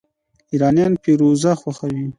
ایرانیان فیروزه خوښوي.